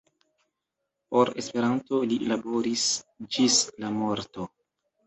Por Esperanto li laboris ĝis la morto.